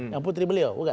yang putri beliau